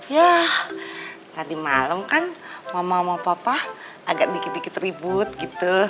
yah tadi malem kan mama sama papa agak dikit dikit ribut gitu